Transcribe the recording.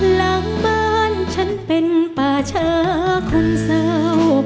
หลังบ้านฉันเป็นป่าช้าคนเศร้า